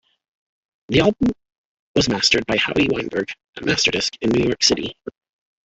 The album was mastered by Howie Weinberg at Masterdisk in New York City.